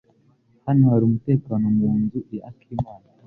Hano hari umutekano mu nzu ya Akimana.